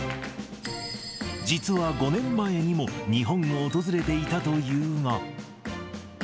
実は５年前にも日本を訪れていたというが。